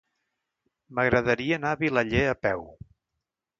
M'agradaria anar a Vilaller a peu.